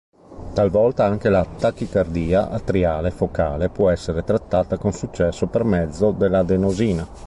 Talvolta anche la tachicardia atriale focale può essere trattata con successo per mezzo dell'adenosina.